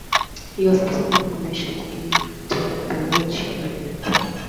He was subsequently commissioned into the Wiltshire Regiment.